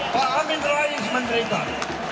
pak amin rais menderita